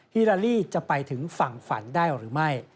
ฮิลาลีจะไปถึงฝั่งฝันได้หรือไม่